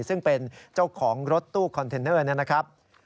ซึ่งเป็นเจ้าของรถตู้คอนเทนเนอร์นะครับ